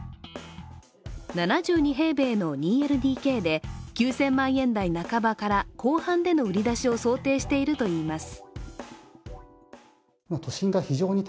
７２平米の２ＬＤＫで９０００万円台半ばから後半での売り出しを想定しているといいます。